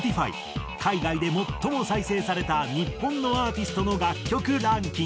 海外で最も再生された日本のアーティストの楽曲ランキング。